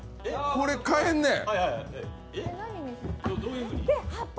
これ、替えんねん！